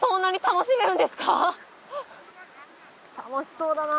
楽しそうだな。